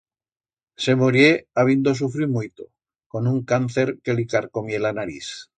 Se morié habindo sufriu muito, con un cáncer que li carcomié la nariz.